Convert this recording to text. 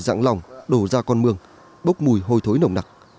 dạng lỏng đổ ra con mương bốc mùi hôi thối nồng nặc